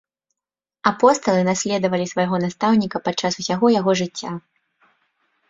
Апосталы наследавалі свайго настаўніка падчас усяго яго жыцця.